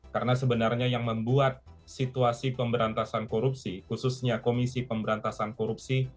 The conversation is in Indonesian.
karena sebenarnya yang membuat situasi pemberantasan korupsi khususnya komisi pemberantasan korupsi